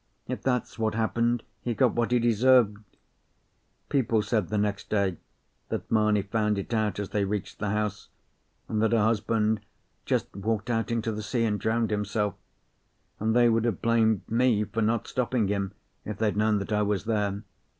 If that's what happened, he got what he deserved. People said the next day that Mamie found it out as they reached the house, and that her husband just walked out into the sea, and drowned himself; and they would have blamed me for not stopping him if they'd known that I was there.